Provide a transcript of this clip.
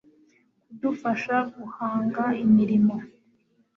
kudufasha guhanga imirimo